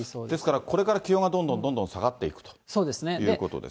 ですから、これから気温がどんどんどんどん下がっていくそうですね。